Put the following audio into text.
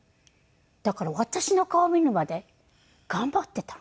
だから私の顔を見るまで頑張っていたの。